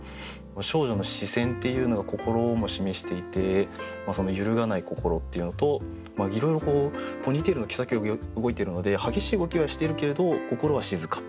「少女の視線」っていうのが心も示していて揺るがない心っていうのといろいろポニーテールの毛先が動いているので激しい動きはしているけれど心は静か。